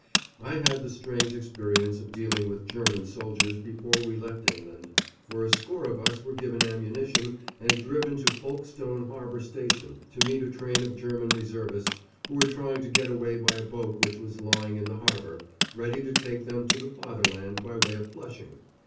I had the strange experience of dealing with German soldiers before we left England, for a score of us were given ammunition and driven to Folkestone Harbour Station to meet a train of German Reservists who were trying to get away by a boat which was lying in the harbour, ready to take them to the Fatherland by way of Flushing.